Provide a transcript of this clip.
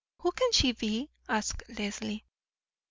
Who can she be?" asked Leslie.